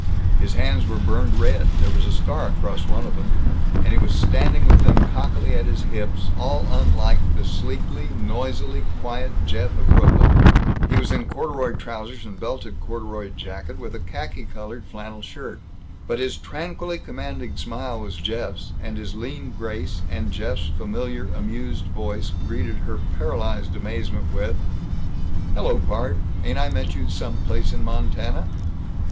His hands were burned red; there was a scar across one of them; and he was standing with them cockily at his hips, all unlike the sleekly, noisily quiet Jeff of Brooklyn. He was in corduroy trousers and belted corduroy jacket, with a khaki colored flannel shirt. But his tranquilly commanding smile was Jeff's, and his lean grace; and Jeff's familiar amused voice greeted her paralyzed amazement with: "Hello, pard! Ain't I met you some place in Montana?"